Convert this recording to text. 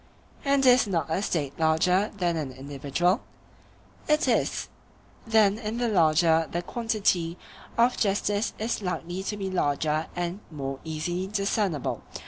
And is not a State larger than an individual? It is. Then in the larger the quantity of justice is likely to be larger and more easily discernible.